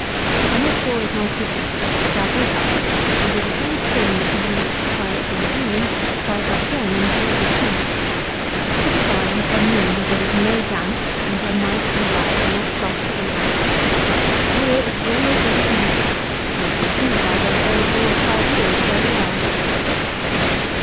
When your straw is nicely bleached, gather it up, and with the same string that you used to tie it when green, tie it up again into little sheaves. Put it by in some room where there is no damp, and where mice and rats are not suffered to inhabit. Here it is always ready for use, and it will keep, I dare say, four or five years very well.